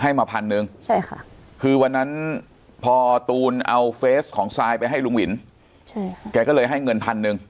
มาพันหนึ่งใช่ค่ะคือวันนั้นพอตูนเอาเฟสของซายไปให้ลุงวินใช่แกก็เลยให้เงินพันหนึ่ง